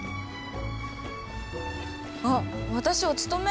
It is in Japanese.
あっ私お勤め？